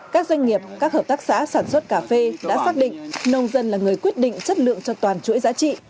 các doanh nghiệp các hợp tác xã sản xuất cà phê đã xác định nông dân là người quyết định chất lượng cho toàn chuỗi giá trị